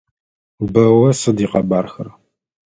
Бэллэ сыд икъэбархэр?